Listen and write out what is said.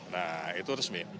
nah itu resmi